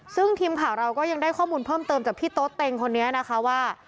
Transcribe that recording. ซึ่งทีมข่าวเราก็ยังได้ข้อมูลเพิ่มเติมจากพี่โต๊เต็งคนนี้นะคะว่า